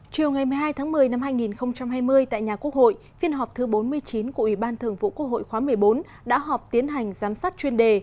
chiều ngày một mươi hai tháng một mươi năm hai nghìn hai mươi tại nhà quốc hội phiên họp thứ bốn mươi chín của ủy ban thường vụ quốc hội khóa một mươi bốn đã họp tiến hành giám sát chuyên đề